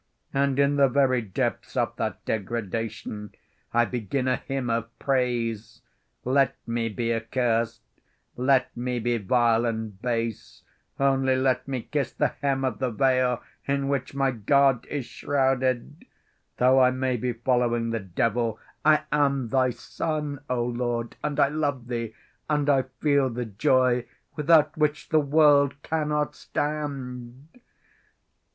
And in the very depths of that degradation I begin a hymn of praise. Let me be accursed. Let me be vile and base, only let me kiss the hem of the veil in which my God is shrouded. Though I may be following the devil, I am Thy son, O Lord, and I love Thee, and I feel the joy without which the world cannot stand.